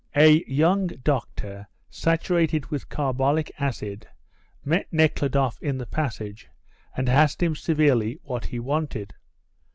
A young doctor saturated with carbolic acid met Nekhludoff in the passage and asked him severely what he wanted.